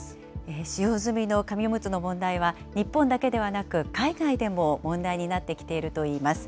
使用済みの紙おむつの問題は、日本だけではなく、海外でも問題になってきているといいます。